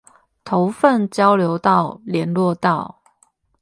頭份交流道聯絡道